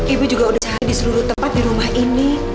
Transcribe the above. ibu juga sudah di seluruh tempat di rumah ini